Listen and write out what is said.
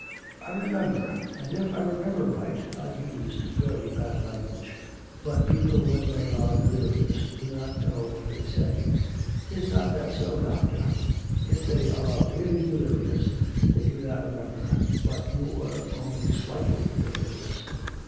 'I remember, and if I remember right, I used very bad language. But people when they are delirious do not know what they say. Is not that so, doctor?' 'If they are really delirious they do not remember, but you were only slightly delirious...